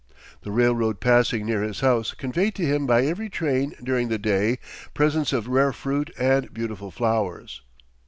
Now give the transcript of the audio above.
The railroad passing near his house conveyed to him by every train during the day presents of rare fruit and beautiful flowers.